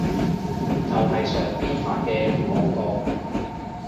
就係上邊發嘅廣告